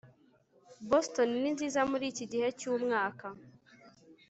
boston ni nziza muri iki gihe cyumwaka